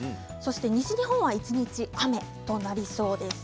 西日本は一日、雨となりそうです。